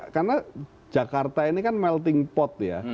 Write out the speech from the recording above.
karena jakarta ini kan melting pot ya